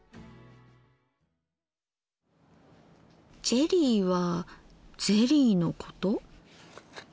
ジェリーはゼリーのこと？